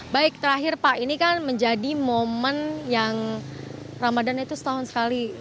baik terakhir pak ini kan menjadi momen yang ramadan itu setahun sekali